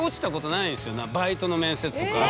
バイトの面接とか。